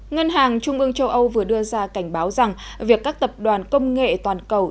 ngân hàng trung ương châu âu vừa đưa ra cảnh báo rằng việc các tập đoàn công nghệ toàn cầu